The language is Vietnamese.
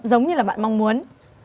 giống như là bạn mong muốn